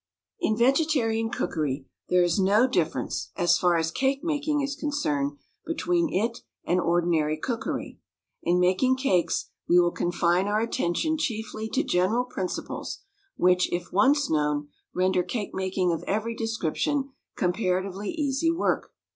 In vegetarian cookery there is no difference, as far as cake making is concerned, between it and ordinary cookery. In making cakes we will confine our attention chiefly to general principles which, if once known, render cake making of every description comparatively easy work.